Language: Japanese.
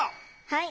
はい。